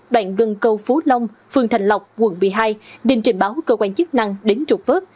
đoạn gần cầu phú long phường thành lộc quận một mươi hai đình trình báo cơ quan chức năng đến trục vớt